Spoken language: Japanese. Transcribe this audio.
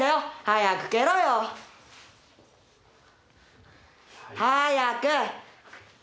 早く蹴ろよ！早く！